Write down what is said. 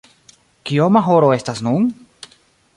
Kioma horo estas nun?